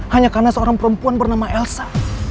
hanya karena seorang perempuan bernama elsa